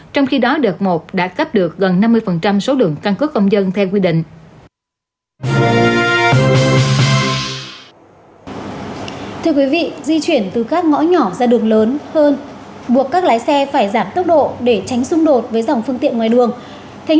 trong khi đó đợt một đã cấp được gần năm mươi số lượng căn cứ công dân theo quy định